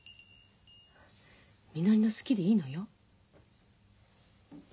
みのりの好きでいいのよ。